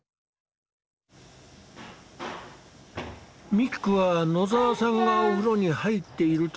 ミックは野澤さんがお風呂に入っている時も